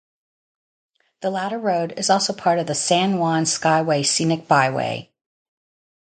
The latter road is also part of the San Juan Skyway Scenic Byway.